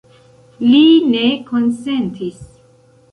Li ne konsentis.